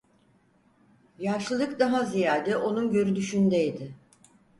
Yaşlılık daha ziyade onun görünüşündeydi.